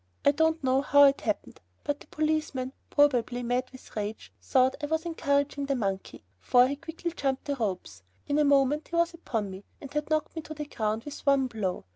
I don't know how it happened, but the policeman, probably mad with rage, thought that I was encouraging the monkey, for he quickly jumped the ropes. In a moment he was upon me, and had knocked me to the ground with one blow.